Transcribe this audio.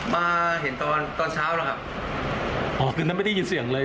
มาเห็นตอนตอนเช้าแล้วครับอ๋อคืนนั้นไม่ได้ยินเสียงเลย